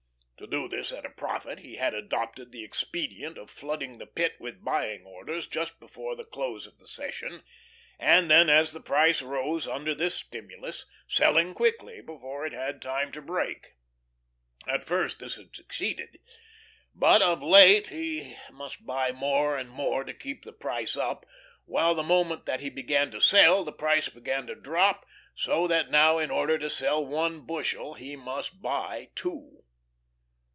To do this at a profit, he had adopted the expedient of flooding the Pit with buying orders just before the close of the session, and then as the price rose under this stimulus, selling quickly, before it had time to break. At first this had succeeded. But of late he must buy more and more to keep the price up, while the moment that he began to sell, the price began to drop; so that now, in order to sell one bushel, he must buy two.